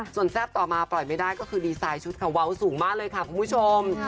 ส่วนแซ่บต่อมาปล่อยไม่ได้ก็คือดีไซน์ชุดค่ะเว้าสูงมากเลยค่ะคุณผู้ชม